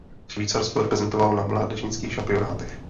Švýcarsko reprezentoval na mládežnických šampionátech.